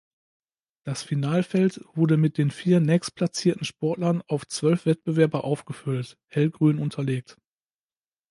Das Finalfeld wurde mit den vier nächstplatzierten Sportlern auf zwölf Wettbewerber aufgefüllt (hellgrün unterlegt).